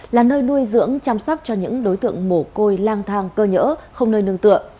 là nơi nuôi dưỡng chăm sóc cho những đối tượng mổ côi lang thang cơ nhỡ không nơi nương tựa